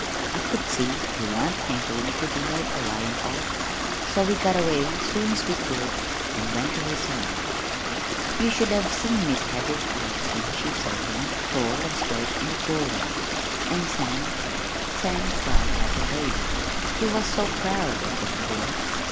I could see he wan't hankerin' ter be made a lion of, so we got away soon's we could an' went ter his home. "You should have seen Mis' Hadley's eyes when she saw him, tall an' straight in the doorway. And Sam Sam cried like a baby, he was so proud of that boy.